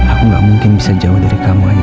aku gak mungkin bisa jauh dari kamu aja